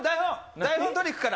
台本取り行くから。